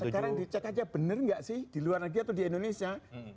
sekarang dicek aja benar nggak sih di luar negeri atau di indonesia